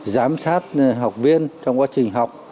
giám sát học viên trong quá trình học